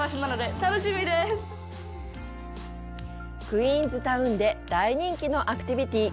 クィーンズタウンで大人気のアクティビティ。